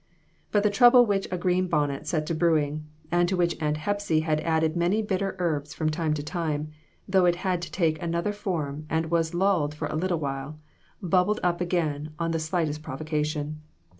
But the trouble which a green bonnet set to brewing, and to which Aunt Hepsy had added many bitter herbs from time to time, though it had to take another form and was lulled for a lit tle, bubbled up again on the slightest provocation.